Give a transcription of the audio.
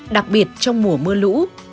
đặc biệt trong mùa mưa lũ